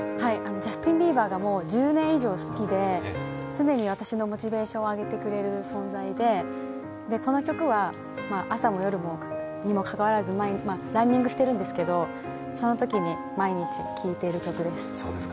ジャスティン・ビーバーがもう１０年以上好きで、常に私のモチベーションを上げてくれる存在でこの曲は、朝も夜にもかかわらずランニングしてるんですけど、そのときに毎日聴いてる曲です。